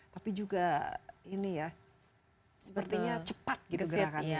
tapi juga ini ya sepertinya cepat gitu gerakannya